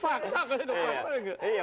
fakta kan itu fakta enggak